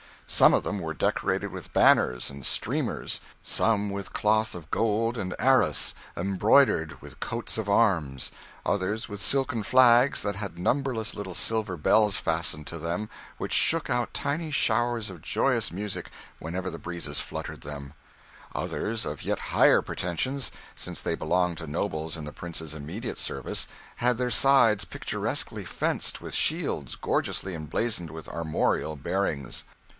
Some of them were decorated with banners and streamers; some with cloth of gold and arras embroidered with coats of arms; others with silken flags that had numberless little silver bells fastened to them, which shook out tiny showers of joyous music whenever the breezes fluttered them; others of yet higher pretensions, since they belonged to nobles in the prince's immediate service, had their sides picturesquely fenced with shields gorgeously emblazoned with armorial bearings.